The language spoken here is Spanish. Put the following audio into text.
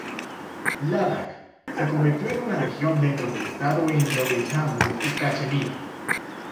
Ladakh se convirtió en una región dentro del estado indio de Jammu y Cachemira.